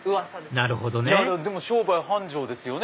なるほどね商売繁盛ですよね